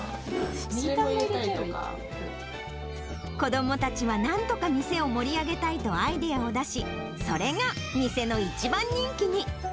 ネギタンも入れちゃえばいい子どもたちはなんとか店を盛り上げたいとアイデアを出し、それが店の一番人気に。